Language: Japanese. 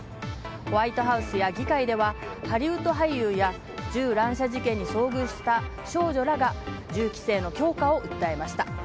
ホワイトハウスや議会ではハリウッド俳優や銃乱射事件に遭遇した少女らが銃規制の強化を訴えました。